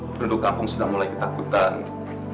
penduduk kampung sudah mulai ketakutan